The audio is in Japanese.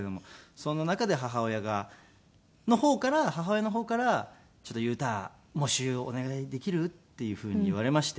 そんな中で母親が母親の方から「ちょっと裕太喪主お願いできる？」っていうふうに言われまして。